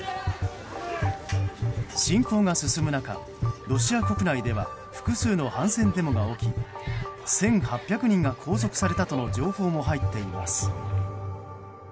侵攻が進む中、ロシア国内では複数の反戦デモが起き１８００人が拘束されたとの情報も入っています。